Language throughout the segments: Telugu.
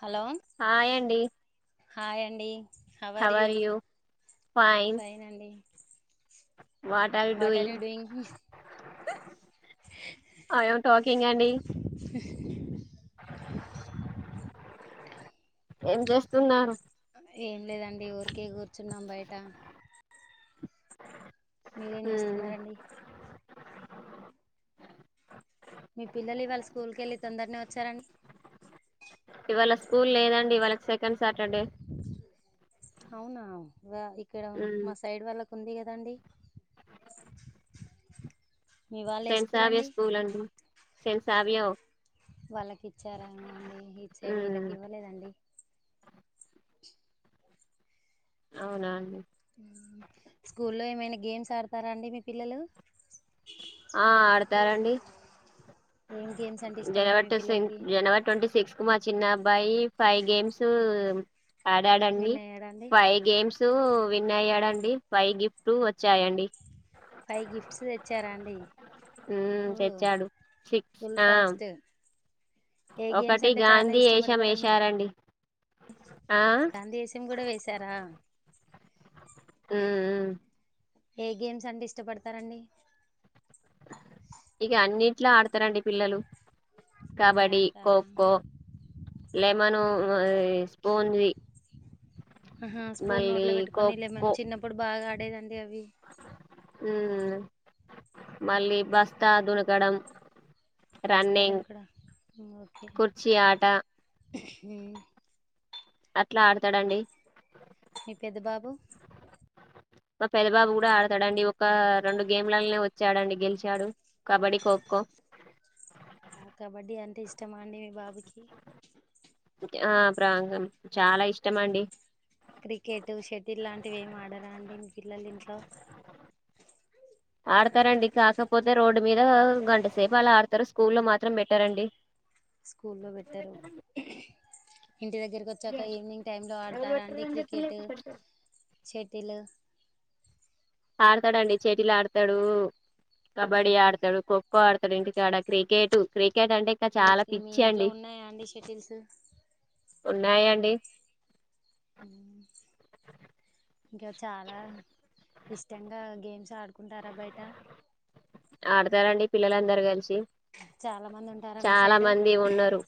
హలో హాయ్ అండి హాయ్ అండి how are you are fine ఫైనండి what are you doing I am talking అండి ఏం చేస్తున్నారు ఏం లేదండి ఊరికే కూర్చున్నాం బయట మీరేం ఉమ్ చేస్తున్నారండి మీ పిల్లలు ఇవాళ స్కూల్ కెళ్ళి తొందర్నే వచ్చారండి ఇవాళ స్కూల్ లేదండి వాళ్ళకి సెకండ్ సాటర్డే అవునా ఇగ ఇక్కడ ఉమ్ మా సైడ్ వాళ్ళకు ఉంది కదండి మీ వాళ్ళ ఏ సెన్సావియా అండి స్కూల్ అండి సెన్సావియో వాళ్ళకి ఇచ్చారేమో అండి ఇటు సైడ్ ఉమ్ వీళ్ళకి ఇవ్వలేదండి అవునా అండి ఉమ్ స్కూల్లో ఏమైనా గేమ్స్ ఆడతారా అండి మీ పిల్లలు ఆ ఆడతారండి ఏం గేమ్స్ అంటే ఇష్టం అండి జనవరి మీ టుసిం పిల్లలకి జనవరి ట్వంటీ సిక్స్ కు మా చిన్న అబ్బాయి ఫైవ్ గేమ్స్ ఆడాడండి విన్ అయ్యాడా అండి ఫైవ్ గేమ్స్ సు విన్ అయ్యాడండి పైవ్ గిఫ్ట్ వచ్చాయండి ఫైవ్ గిఫ్ట్స్ తెచ్చారా అండి ఉమ్ ఓ తెచ్చాడు సిక్స్ ఫుల్ ఆమ్ ఫాస్ట్ ఏ గేమ్స్ ఒకటి అంటే చాలా గాంధీ ఏష ఇష్టపడతారండి మేశారండి గాంధీశం కూడా వేశారా ఉమ్ ఏ గేమ్స్ అంటే ఇష్టపడతారండి ఇగ అన్నిట్లో ఆడతారండి పిల్లలు అన్నీ కబడి ఆడతారా కోకో లెమను స్పూన్ది ఆ స్పూన్ మళ్ళీ నోట్లో పెట్టుకొని లెమన్ ఖోఖో చిన్నప్పుడు బాగాడేదండి అవి మ్మ్ మళ్ళీ బస్తా దునకడం బస్తా రన్నింగ్ దని కడ ఓకే కుర్చీ ఆట మ్మ్ అట్ల ఆడతాడండి మీ పెద్ద బాబు మా పెద్ద బాబు కూడా ఆడతాడండి ఒక రెండు గేమ్లలో వచ్చాడండి గెలిచాడు కబడ్డీ ఖోఖో కబడ్డీ అంటే ఇష్టమా అండి మీ బాబు ఆ ప్రాంగం చాలా ఇష్టమండి క్రికెట్ షటిల్ లాంటివి ఏమి ఆడరా అండి మీ పిల్లలు ఇంట్లో ఆడతారండి కాకపోతే రోడ్డు మీద గంటసేపు అలా ఆడతారు స్కూల్లో మాత్రం పెట్టరండి స్కూల్లో పెట్టరు ఇంటి దగ్గరకొచ్చాక గేమ్స్ ఈవినింగ్ టైమ్ లో ఎవరు ఆడతారా అండి పెట్టారని చెప్పి లేక క్రికెటు పెడతారు చెటిలు ఆడతాడుండి చెటిలాడతాడు మీ కబడ్డీ ఆడుతాడు ఖో కో ఆడతడు ఇంటికాడ క్రికెట్ క్రి మీ మీ ఇంట్లో ఉన్నాయా అండి షటిల్స్ ఉన్నాయండి ఊ ఇంకా చాలా ఇష్టంగా గేమ్స్ ఆడుకుంటారా బయట ఆడతారండి పిల్లలందరూ కలిసి చాలా మంది ఉంటారా మీ చాలా సైడు మంది ఉన్నారు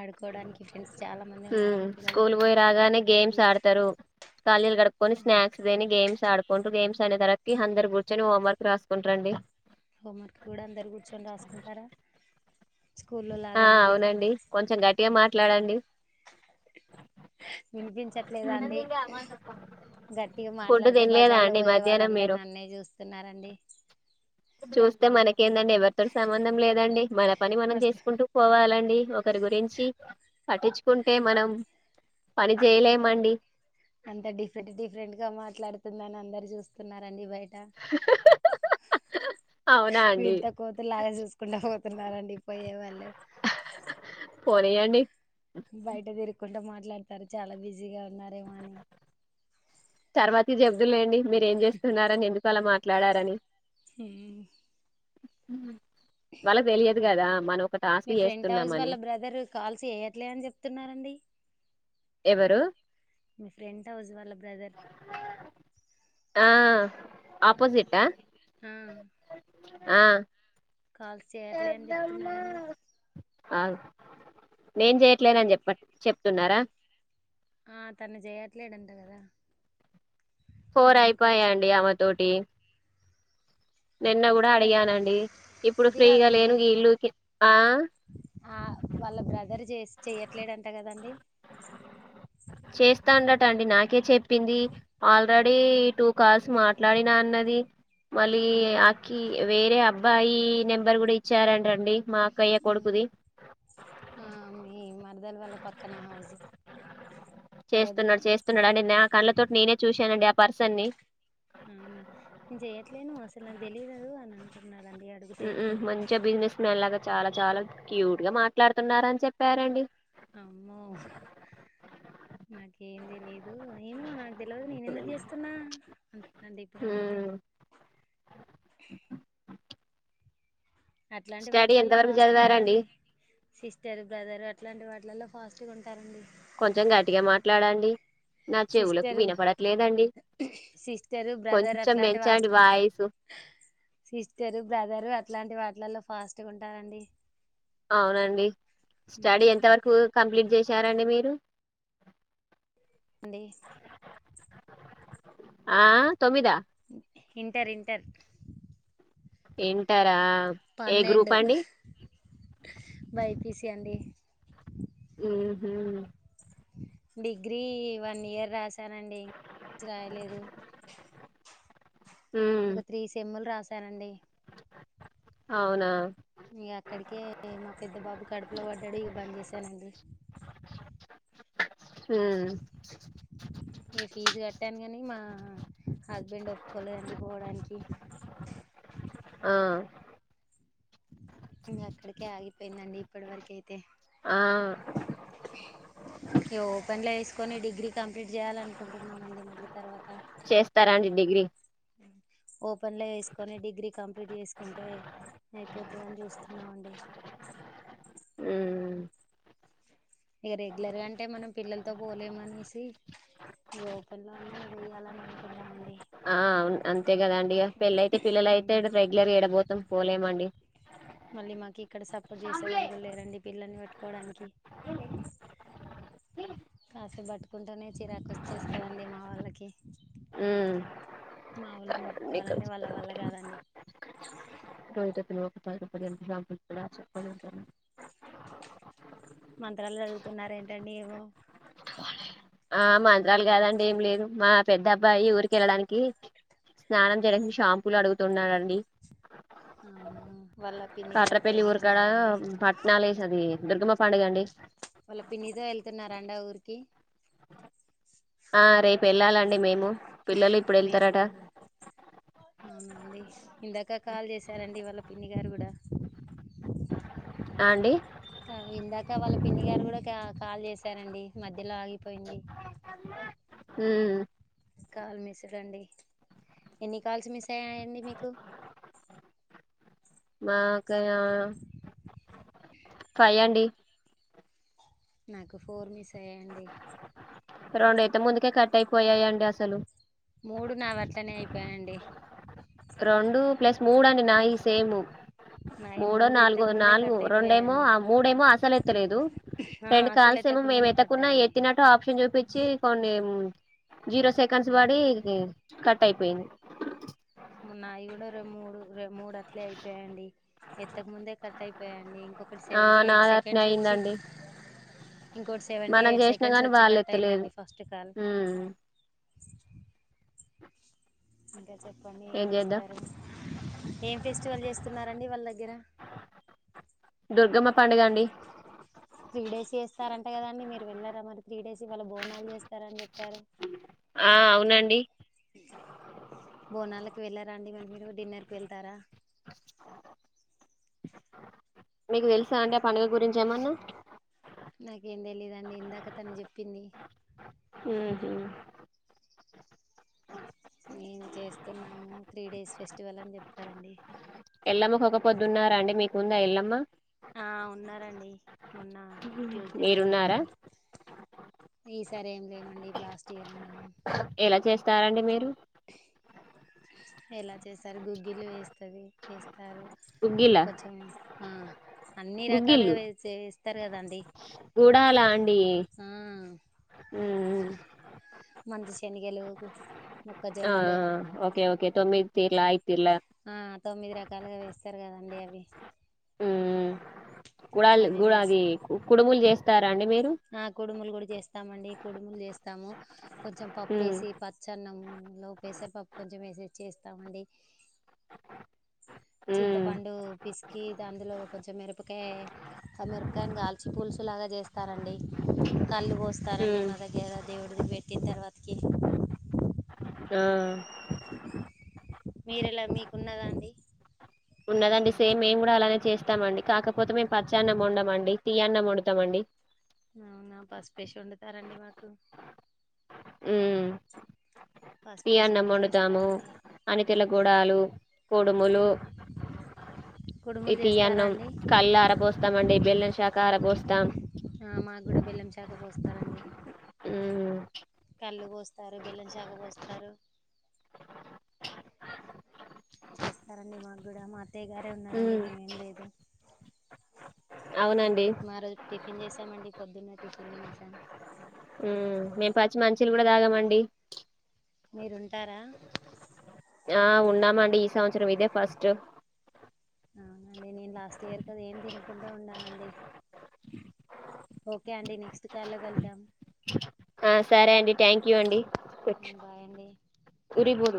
ఆడుకోవడానికి ఫ్రెండ్స్ చాలా మంది ఉన్నారా హ్మ్ మీ పిల్లల స్కూల్ కి ఖళీలు కడుక్కొని స్నాక్స్ తిని గేమ్స్ ఆడు కుంటూ గేమ్స్ అనేసరక్కి అందరూ కూర్చొని హోంవర్క్ రాసుకుంటరండి హోంవర్క్ కూడా అందరు కూర్చొని రాసుకుంటారా స్కూల్లో ఆ లాగా మళ్ళీ అవునండి కొంచెం గట్టిగా మాట్లాడండి వినిపించట్లేదా అండి గట్టిగా ఫుడ్ మాట్లాడితే తినలేదా బజార్ లో అండి పోయే మధ్యాహ్నం మీరు వాళ్ళందరూ నన్నే చూస్తున్నారండి. చూస్తే మనకేందండి ఎవరితోటి సంబంధం లేదండి మన పని మనం మస్తు చేస్త పోవాలండి ఒకరి గురించి పట్టించుకుంటే మనం పని చేయలేమండి. అంత డిఫరెంట్ డిఫరెంట్ గా మాట్లాడుతుండ అని అందరు చూస్తున్నారు. చూస్తున్నారండి బయట అవునా అండి వింత కోతు లాగ చూసుకుంటు పోతున్నారండి పోయే వాళ్ళు పోనీయండి కుంట మాట్లాడతారు చాలా బిజీగా ఉన్నారేమో అని తర్వాతి జెబ్దులేండి మీరేం చేస్తున్నారని ఎందుకు అలా మాట్లాడారని హ్మ్ వాళ్ళకు తెలియదు కదా మన మీ ఫ్రెంట్ హౌస్ వాళ్ళ బ్రదర్ కాల్స్ చేయట్లే అని చెప్తున్నారండి. ఎవరు మీ ఫ్రెంట్ హౌస్ వాళ్ళ బ్రదర్ ఆ ఆపోజిట్ ఆ ఆ ఆ కాల్స్ చేయట్లే అని పెద్దమ్మ చెప్తున్నారండి ఆ నే చెయట్లేనని చెప్ప చెప్తున్నారా ఆ తను చేయట్లేధంట కదా ఫోర్ నేనేం కాల్స్ అయిపాయాండి ఆమె తోటి నిన్న కూడా అదే అడిగానండి ఇప్పుడు అది ఫ్రీగా కాదండి లేను ఇల్లుకి ఆ ఆ వాళ్ళ బ్రదర్ చే చెయట్లేడంట కదండి చేస్తాండట అండి నాకే చెప్పింది ఆల్రెడీ టూ కాల్స్ మాట్లాడినా అన్నది మళ్ళీ అవునా ఆకి వేరే అబ్బా అబ్బాయి నెంబర్ కూడా ఇచ్చారంట అండి మీ మరదల వల్ల పక్కన హౌస్ మీ వదిన చేస్తున్నాడు చేస్తున్నాడు అండి నా కళ్లతోటి నేనే చూశానండి ఆ పర్సన్ని అవునా నేను చెయట్లేను అసలు నాకు తెలియదు అని అంటున్నారు హు మంచిగా బిజినెస్ మ్యాన్ లాగా చాలా చాలా క్యూట్ గా మాట్లాడుతున్నార అని చెప్పారండి. అమ్మో నాకేం తెలిదు ఏమో నాకు తెలియదు నేను ఎందుకు చేస్తున్నా అంటున్నాడు అండి ఇప్పుడు అడిగితే ఉమ్, అట్లాంటి స్టడీ ఎంత వాటిలల్లో వరకు ఫాస్ట్ చదివారండి ఉంటారండి. సిస్టర్ బ్రదరు అట్లాంటి వాటిలల్లో ఫాస్ట్ గా ఉంటారండి. కొంచెం గట్టిగా మాట్లాడండి నా చెవులకు సిస్టర్ వినపడట్లేదండి సిస్టరు బ్రదర్ కొంచెం అట్లాంటి పెంచండి వాటి వాయిసు సిస్టరు బ్రదరు అట్లాంటి వాటిలల్లో ఫాస్ట్గా ఉంటారండి. అవునండి స్టడీ ఎంత వరకు కంప్లీట్ చేసి చ్చారండి మీరు ఆండీ ఆ తొమ్మిదా ఇంటర్ ఇంటర్ ఇంటర్ ఆ ఏ గ్రూప్ అండి బైపీసి అండి ఉహూ డిగ్రీ వన్ ఇయర్ రాశానండిం రాయలేదు ఉమ్ ఒక త్రీ సెమ్ములు రాసానండి అవునా ఇక అక్కడికే మా పెద్ద బాబు కడుపులో పడ్డాడు ఇక బంద్ చేసానండి ఉమ్ ఏ ఫీజ కట్ట అనిగానీ మా హస్బెండ్ ఒప్పుకోలేదండి పోవడానికి ఆ ఇంకా అక్కడికే ఆగిపోయిందండి ఇప్పటి వరకై తే ఆ ఇగ ఓపెన్లో వేసుకొని డిగ్ డిగ్రీ కంలీట్ చేయాలనుకుంటున్నామండి మళ్ళీ తర్వాత చేస్తారాండి డిగ్రీ ఉమ్ ఓపెన్ లో వేసుకొని డిగ్రీ కంప్లీట్ చేసుకుంటే అయిపోతాది అని చూస్తున్నామండి ఉమ్ ఇక రెగ్యులర్ గా అంటే మనం పిల్లలతో పోలేమనేసి ఇక ఓపెన్ లో అన్నా ఇవి వయ్యాలని అనుకునమండీ ఆ అవును అంతే కద అండిక పెళ్ళ అయితే పిల్లల అయితే రెగ్యులర్గా ఏడాపోతాం పోలేమండి మళ్ళీ మాకు ఇక్కడ సపోర్ట్ చేసే వాళ్ళు కూడా లేరండి పిల్లల్ని పట్టుకోవడానికి కాసేప్ పట్టుకుంటూనే చీరాకు వచ్చేస్తాండి మా వాళ్ళకి ఉమ్ మా ఆ వాళ్ళని పట్టుకోవాలంటే మీకొకటీ వాళ్ళ వల్ల చోపలండి కాదండి [unintelligible] రోహిత పిల్లలకు పది రూపాయలు ఇయ్యాదుగా అది చొపాలనుకున్నాను తనేమో ఆ మంత్రాలు కాదండి ఏం లేదు మా పెద్ద అబ్బాయి ఊరికి వెళ్ళడానికి స్నానం చేయడానికి షాంపులు అడుగుతున్నాడండి ఉమ్ కాట్రపల్లి ఊరుకాడ పట్నాలేస్ అది దుర్గమ్మ పండుగ అండి స్తున్నరండి ఆ ఊరికి ఆ రేపు వెళ్ళాలండి మేము పిల్లలు ఇప్పుడు మీరు వెళ్తారట కూడా వెళ్ళారా అవునా అండి ఇందాక కాల్ చేశారండి వాళ్ళ పిన్ని గారు కూడా ఆ అండి త ఇందాక వాళ్ళ పిన్ని గారు కూడా కా కాల్ చేశారండి మద్ మధ్యలో ఆగిపోయింది ఉమ్ కాల్ మిస్ రండి ఎన్ని కాల్స్ మిస్ అయ్యాయండి మీకు మాకా ఫై అండి నాకు ఫోర్ మిస్ అయ్యాండి రొండయితే ముందుకే కట్ అయిపోయాయండి అసలు మూడు నావి అట్లనే అయిపోయాయండి రెండు ప్లస్ మూడు అండి నావి సేము నాయి మూడో మూడు ఎత్తక నాలుగో ముందే నాలుగు కట్ రెండేమో అయిపోయాయండి మూడేమో అసలు ఎత్తలేదు ఆ రెండు అసలు కాల్స ఏమో మేము ఎత్తకుండానే కట్ ఎతత్తకున్న అయ్యండి ఎత్తతినట్టు ఆప్షన్ చూపించ్ చ్చి కొన్ని జీరో సెకండ్స్ పడి కట్ అయిపోయింది మున్నావి కూడా మూడు మూడు అట్లే అయిపోయండి ఎత్తకముందే కట్ అయిపోయిడి ఇంకొకటి ఆ సెవెంటీ ఎయిట్ నాది అట్నే సెకండ్స్ వచ్చి అయిందండి ఇంకోటి సెవెంటీ మనం ఎయిట్ చేసినా సెకండ్స్ గాని వచ్చి వాళ్ళు కట్ ఎత్తలేదు అయిందండి ఫస్ట్ కాల్ ఉమ్ ఇంకా చెప్పండి ఏం చేస్తారు ఏం ఫెస్టివల్ చేస్తున్నారండి వాళ్ళ దగ్గర దుర్గమ్మ పండుగ అండి త్రీ డేస్ చేస్తారంటే కదండి మీరు వెళ్ళారా మరి త్రీ డేస్ ఇవాళ్ళ బోనాలు చేస్తారని చెప్పారు ఆ అవునండి వెళ్ళరండి మరి మీరు డిన్నర్ కు వెళ్తారా మీకు తెలుసా అండి ఆ పండుగ గురించి ఏమన్నా నాకేం తెలీయదుండి ఇందాక తను చెప్పింది ఉహు మేం చేస్తున్నాము త్రీ డేస్ ఫెస్టివల్ అని చెప్తారండి ఎల్లమ్మ కు ఒక్కపొద్దున్నారా అండి మీకు ఉందా ఎల్లమ్మ ఆ ఉన్నారండి మొన్న ట్యూస్డే రోజు మీరున్నారా ఉన్నారు ఈసారి ఏమి లేమండి ఇ లాస్ట్ ఇయర్ ఉన్నాను ఎలా చేస్తారండి మీరు ఎలా చేస్తారు గుగ్గిలు వేస్తుంది వేస్తారు గుగ్గిలా కొంచెం అన్ని రకాలుగా గుగ్గిళ్ళు వ చేస్తారు కదాండి ఆ అ మంచి శనగలు ఆ మొక్కజొన్నలు ఓకే ఓకే [inaudible] ఆ తొమ్మిది రకాలుగా వేస్తారు కదండి అవి కుడలు అవి గు వేస్ అది కుడుములు చేస్తారు ఆ కుడుములు కూడా చేస్తామండి కుడుములు చేస్తాము కొంచెం ఉమ్ పప్పుసి పచ్చన్నంలో ప్రేసర్ పప్పు కొంచెం వేసి చేస్తామండి ఉమ్ చింతపండు పిసికి దాందులో కొంచెం మిరపకాయ ఆ మిరపకాయని కాల్చి పూల్స్ లాగా చేస్తారండి కళ్ళు పోస్తారండి ఉమ్ మా దగ్గర దేవుడిది పెట్టిన తర్వాత కి ఆ మీరెలా మీకున్నదా అండి ఉన్నదండి సేమ్ ఏం కూడా అలానే చేస్తామండి కాకపోతే మేము పచ్చన్నం వండమండి తీయ్యాన్నం వండుతామండి అవునా పసుపేసి వండుతారండి మాకు ఉమ్ పసుపేసి తీఅన్నం వండి వండుతాము చేస్తారండి అనితలగూడాలు కుడుములు కుడుములు చేస్తారా ఇతీఅన్నం అండి కళ్ళు ఆరపోస్తామండి బెల్లం శాఖ ఆర పోస్తాం ఆ మాకు కూడా బేల్లం చాక పోస్తారండి ఉమ్ కళ్ళు పోస్తారు బెల్లం చాగ పోస్తారు చేస్తారండి మాకు కూడా మా అత్తయ్యగారే ఉన్నారండి ఉమ్ మేమేం లేదు అవునండి మా రోజు టిఫిన్ చేసామండి పొద్దున్నే టిఫిన్ తినసాం ఉ మేము పచ్చి మంచినీళ్ళే కూడా తాగామండి మీరుంటారా ఆ ఉన్నాఅండి ఈ సంవత్సరం ఇదే ఫస్ట్ అవునండి నేను లాస్ట్ ఇయర్ కద ఏం తినకుండా వున్నానండి ఓకే అండి నెక్స్ట్ కాల్లో కలుద్దాం ఆ సరే అండి థ్యాంక్ యూ అండి బాయ్ అండి ఉరిబోదు